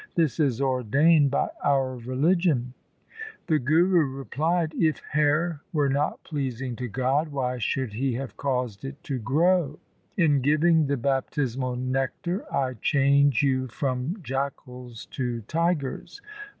This is ordained by our religion.' The Guru replied, ' If hair were not pleasing to God, why should he have caused it to grow ? In giving the baptismal nectar I change you from jackals to tigers.